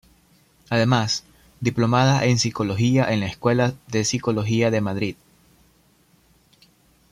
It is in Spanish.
Además, diplomada en psicología en la Escuela de Psicología de Madrid.